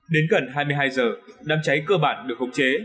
đến gần hai mươi hai h đám cháy cơ bản được khống chế